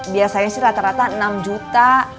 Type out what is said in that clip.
biasanya sih rata rata enam juta